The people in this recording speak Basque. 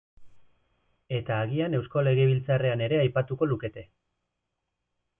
Eta agian Eusko Legebiltzarrean ere aipatuko lukete.